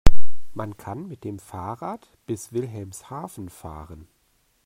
Man kann mit dem Fahrrad bis Wilhelmshaven fahren